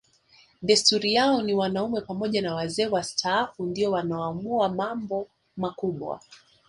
Desturi yao ni wanaume pamoja na wazee wastaafu ndio wanaoamua mambo makubwa